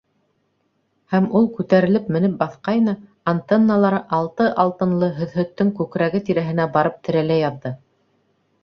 Һәм ул күтәрелеп менеп баҫҡайны, антенналары Алты Алтынлы һөҙһөттөң күкрәге тирәһенә барып терәлә яҙҙы.